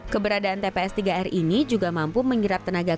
keberadaan tps tiga r ini juga mampu menghirap tenaga kerja dari warga sebuah negara